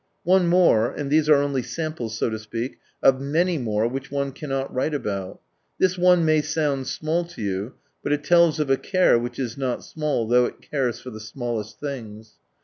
One more — and these are only samples, so to speak, of many more which one cannot write about. This one may sound small to you, but it tells of a Care which is not small, though it cares for the smallest things.